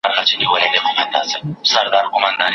دوه کسان په مدیریت کې پاتې راغلل.